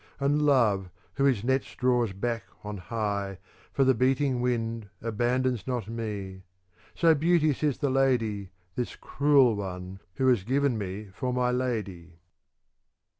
And love who his nets draws back on high for the beating wind abandons not me ; so beauteous is the lady, this cruel one, who is given me for my lady.